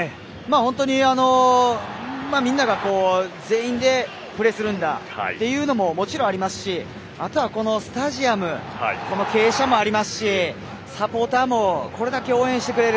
本当にみんなが全員でプレーするんだというのももちろんありますしあとはこのスタジアム傾斜もありますし、サポーターもこれだけ応援してくれる。